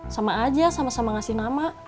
sama aja sama sama ngasih nama